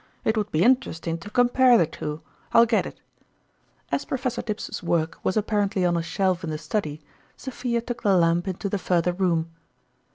It would be inter esting to compare the two ; I'll get it." As Professor Dibbs' s work was apparently on a shelf in the study, Sophia took the lamp into the further room.